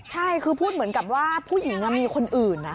ใช่คือพูดเหมือนกับว่าผู้หญิงมีคนอื่น